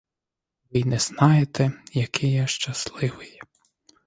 Ви й не знаєте, який я щасливий.